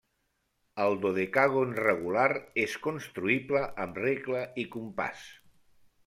El dodecàgon regular és construïble amb regle i compàs.